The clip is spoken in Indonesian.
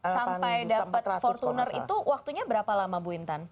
sampai dapat fortuner itu waktunya berapa lama bu intan